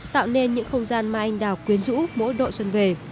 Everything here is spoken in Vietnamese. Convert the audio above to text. tạo nên những không gian mai anh đào quyến rũ mỗi độ xuân về